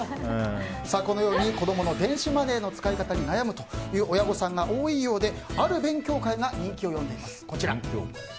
このように子供の電子マネーの使い方に悩む親御さんが多いようである勉強会が人気を呼んでいます。